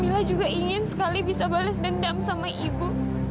mila juga ingin sekali bisa bales dendam sama ibu